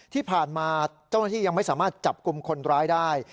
ที่ผ่านมาเจ้าหน้าที่ยังไม่สามารถจับกลุ่มคนร้ายได้